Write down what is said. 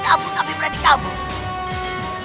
kabur dikabur tapi berarti kabur